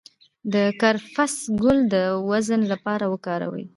د کرفس ګل د وزن لپاره وکاروئ